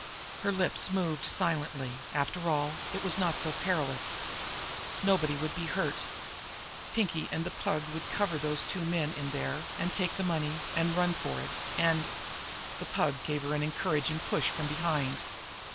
Her lips moved silently. After all, it was not so perilous. Nobody would be hurt. Pinkie and the Pug would cover those two men in there and take the money and run for it and... The Pug gave her an encouraging push from behind.